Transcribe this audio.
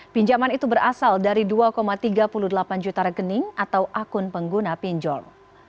pinjaman itu berasal dari dua tiga puluh delapan juta rekening atau akun pengguna pinjol